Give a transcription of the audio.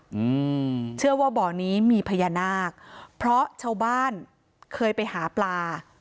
อืมเชื่อว่าบ่อนี้มีพญานาคเพราะชาวบ้านเคยไปหาปลา